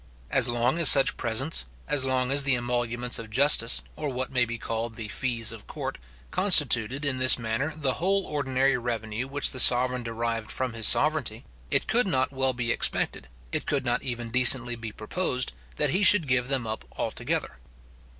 As long as such presents, as long as the emoluments of justice, or what may be called the fees of court, constituted, in this manner, the whole ordinary revenue which the sovereign derived from his sovereignty, it could not well be expected, it could not even decently be proposed, that he should give them up altogether.